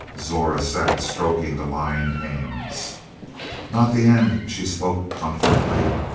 Zora sat stroking the lined hands. "Not the end," she spoke confidently.